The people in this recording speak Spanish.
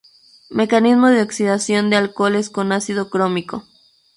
Mecanismo de oxidación de alcoholes con ácido crómico.